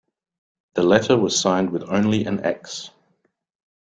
The letter was signed with only an X.